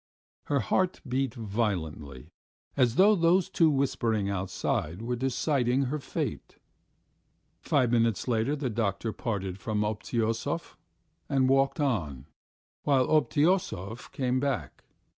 ... Her heart beat violently as though those two whispering outside were deciding her fate. Five minutes later the doctor parted from Obtyosov and walked on, while Obtyosov came back.